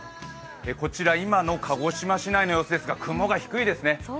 こちら、今の鹿児島市内の様子ですが、雲が低いですね。